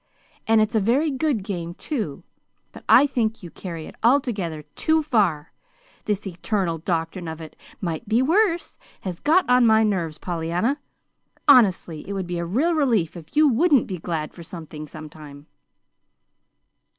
"And it's a very good game, too; but I think you carry it altogether too far. This eternal doctrine of 'it might be worse' has got on my nerves, Pollyanna. Honestly, it would be a real relief if you WOULDN'T be glad for something, sometime!"